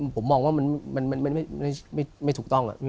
ผมมองว่ามันไม่ถูกต้อง